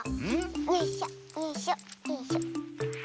よいしょよいしょよいしょ。